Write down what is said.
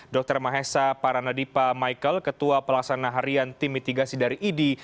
dr mahesa paranadipa michael ketua pelaksana harian tim mitigasi dari idi